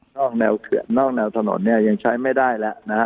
แนวเขื่อนนอกแนวถนนเนี่ยยังใช้ไม่ได้แล้วนะฮะ